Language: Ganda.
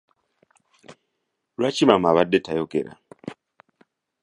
Lwaki maama abadde tayogera?